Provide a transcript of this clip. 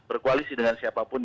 berkoalisi dengan siapapun